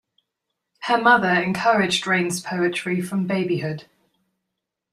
Her mother encouraged Raine's poetry from babyhood.